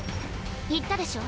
言ったでしょ？